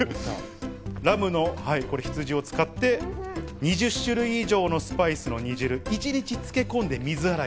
ラム、羊を使って２０種類以上のスパイスの煮汁に一日漬け込んで水洗い。